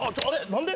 何で？